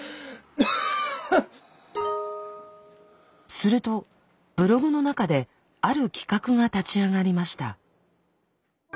するとブログの中である企画が立ち上がりました。